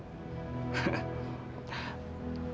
kava tadi badannya panas sekali